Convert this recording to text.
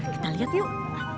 kita lihat yuk